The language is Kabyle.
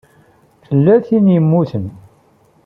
Tella tin i yemmuten.